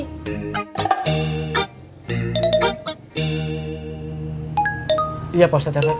penggunaan kantong plastik sedang dikurangi